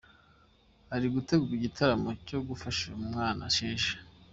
Hari gutegurwa n’igitaramo cyo gufasha uyu mwana Sheja.